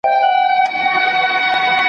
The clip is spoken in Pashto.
خدایه سترګي مي ړندې ژبه ګونګۍ کړې !.